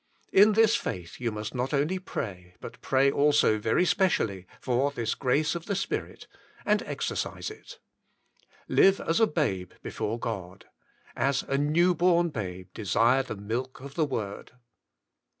In this faith you must not only pray, but pray also very specially for this grace of the Spirit, and exercise it. Live as a babe before God. As a new born babe desire the milk of the Word.